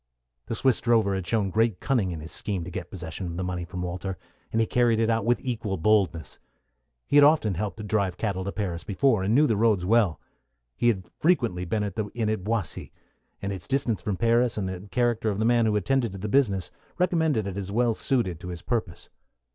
The Swiss drover had shown great cunning in his scheme to get possession of the money from Walter, and he carried it out with equal boldness. He had often helped to drive cattle to Paris before, and knew the roads well. He had frequently been at the inn at Boissy, and its distance from Paris, and the character of the man who attended to the business, recommended it as well suited to his purpose.